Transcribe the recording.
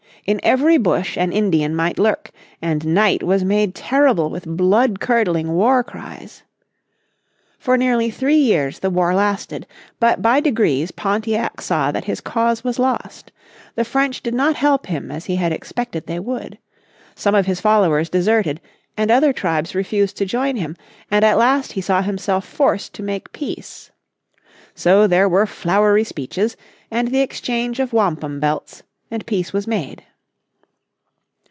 In every bush an Indian might lurk, and night was made terrible with bloodcurdling war cries. For nearly three years the war lasted. But by degrees Pontiac saw that his cause was lost. The French did not help him as he had expected they would. Some of his followers deserted, and other tribes refused to join him, and at last he saw himself forced to make peace. So there were flowery speeches, and the exchange of wampum belts, and peace was made.